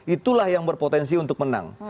itulah yang berpotensi untuk menang